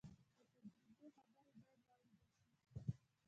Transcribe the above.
د تجربې خبرې باید واورېدل شي.